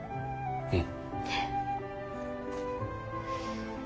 うん。